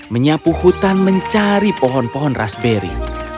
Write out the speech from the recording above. menyapu hutan mencari pohon pohon raspberry